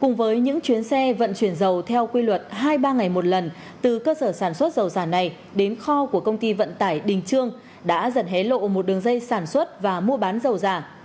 cùng với những chuyến xe vận chuyển dầu theo quy luật hai ba ngày một lần từ cơ sở sản xuất dầu giả này đến kho của công ty vận tải đình trương đã dần hé lộ một đường dây sản xuất và mua bán dầu giả